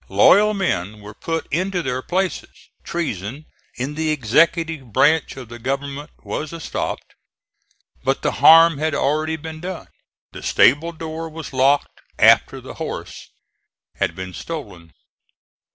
Loyal men were put into their places. Treason in the executive branch of the government was estopped. But the harm had already been done. The stable door was locked after the horse had been stolen.